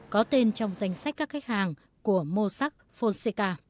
có tên trong danh sách các khách hàng của moscow